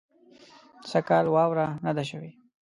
سږ کال واوره نۀ ده شوې